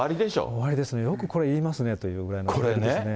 終わりですね、よくこれ言いますねという、ぐらいのことですね。